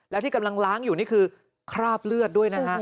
แล้วที่กำลังล้างอยู่นี่คือคราบเลือดด้วยนะฮะ